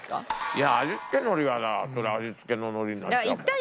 いや味付け海苔はそりゃ味付けの海苔になっちゃうもん。